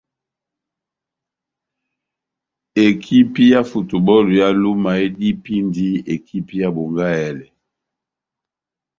Ekipi ya Futubὸlu ya Luma edipindi ekipi ya Bongahèlè.